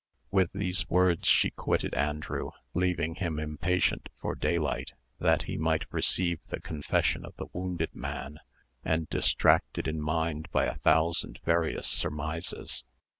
With these words she quitted Andrew, leaving him impatient for daylight, that he might receive the confession of the wounded man, and distracted in mind by a thousand various surmises.